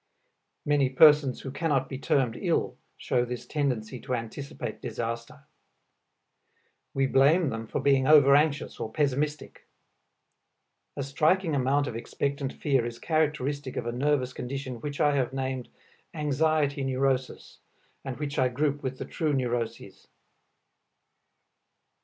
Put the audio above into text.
Many persons who cannot be termed ill show this tendency to anticipate disaster. We blame them for being over anxious or pessimistic. A striking amount of expectant fear is characteristic of a nervous condition which I have named "anxiety neurosis," and which I group with the true neuroses.